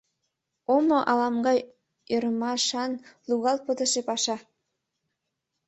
Омо ала-могай ӧрмашан, лугалт пытыше паша.